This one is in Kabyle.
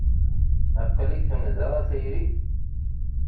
Aql-ikem da a tayri?